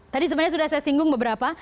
tadi sebenarnya sudah saya singgung beberapa